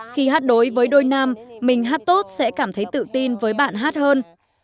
khi hát đối với đôi nam mình hát tốt sẽ cảm thấy tự tin với bạn hát hơn